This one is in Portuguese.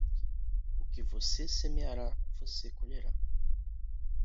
O que você semeará, você colherá.